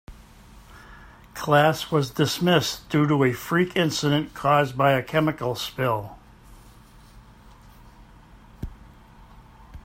Class was dismissed due to a freak incident caused by a chemical spill.